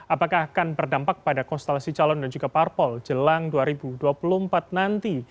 apakah akan berdampak pada konstelasi calon dan juga parpol jelang dua ribu dua puluh empat nanti